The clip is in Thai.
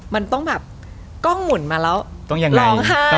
มันต้องกล้องหมุนมาแล้วร้องไห้